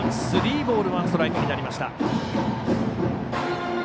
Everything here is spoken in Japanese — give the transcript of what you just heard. スリーボールワンストライクになりました。